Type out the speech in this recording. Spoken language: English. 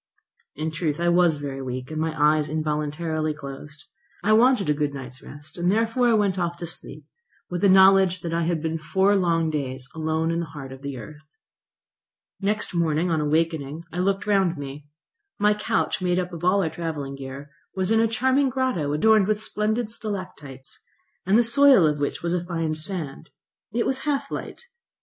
In truth I was very weak, and my eyes involuntarily closed. I wanted a good night's rest; and I therefore went off to sleep, with the knowledge that I had been four long days alone in the heart of the earth. Next morning, on awakening, I looked round me. My couch, made up of all our travelling gear, was in a charming grotto, adorned with splendid stalactites, and the soil of which was a fine sand. It was half light.